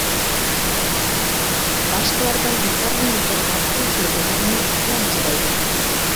باشقىلاردىن بىكاردىن-بىكارغا پۇل تىلىگەنلەرنى تىلەمچى دەيدۇ.